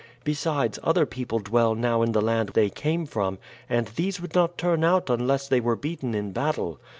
Besides, other people dwell now in the land they came from, and these would not turn out unless they were beaten in battle.